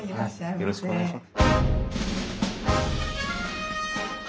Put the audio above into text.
よろしくお願いします。